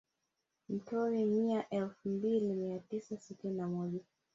Mtorwi mita elfu mbili mia tisa sitini na moja